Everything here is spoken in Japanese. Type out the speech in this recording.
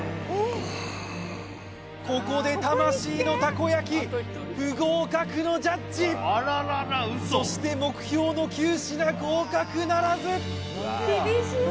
ここで魂のたこ焼不合格のジャッジそして目標の９品合格ならず！